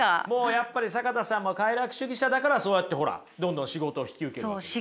やっぱり坂田さんは快楽主義者だからそうやってほらどんどん仕事を引き受けるわけですよ。